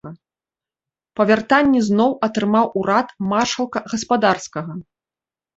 Па вяртанні зноў атрымаў урад маршалка гаспадарскага.